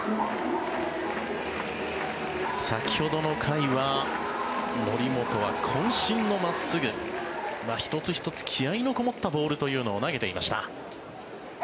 先ほどの回は則本はこん身の真っすぐ１つ１つ気合のこもったボールというのを投げていました。